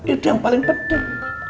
itu yang paling penting